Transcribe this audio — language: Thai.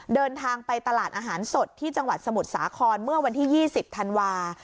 เดินทางไปตลาดอาหารสดที่จังหวัดสมุทรสาครเมื่อวันที่๒๐ธันวา